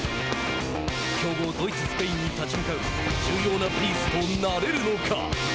強豪ドイツ、スペインに立ち向かう重要なピースとなれるのか。